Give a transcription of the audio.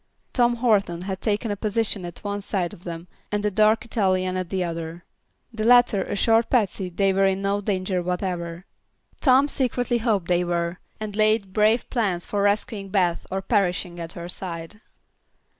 Tom Horton had taken a position at one side of them and the dark Italian at the other. The latter assured Patsy they were in no danger whatever. Tom secretly hoped they were, and laid brave plans for rescuing Beth or perishing at her side.